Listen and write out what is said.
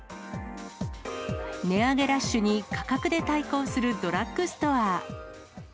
値上げラッシュに価格で対抗するドラッグストア。